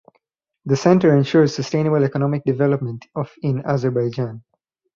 The Center ensures sustainable economic development of in Azerbaijan.